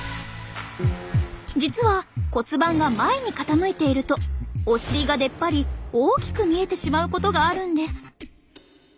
実は骨盤が前に傾いているとお尻が出っ張り大きく見えてしまうことがあるんです。